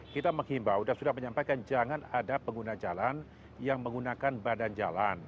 kita menghimbau dan sudah menyampaikan jangan ada pengguna jalan yang menggunakan badan jalan